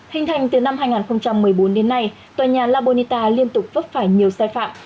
hình thành từ năm hai nghìn một mươi bốn đến nay tòa nhà labonita liên tục vấp phải nhiều sai phạm